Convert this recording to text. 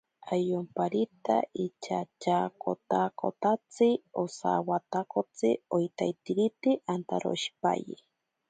Ayomparita inchatyaakotakotsi osawatakotsi oitaiterike antaroshipaye.